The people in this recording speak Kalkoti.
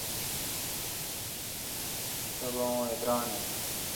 تبا اہ ادران این۔